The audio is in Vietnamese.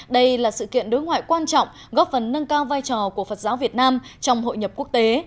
đây là sự kiện đối ngoại quan trọng góp phần nâng cao vai trò của phật giáo việt nam trong hội nhập quốc tế